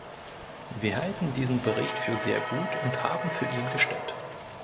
Wir halten diesen Bericht für sehr gut und haben für ihn gestimmt.